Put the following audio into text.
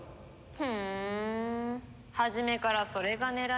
ふん初めからそれが狙いってわけ？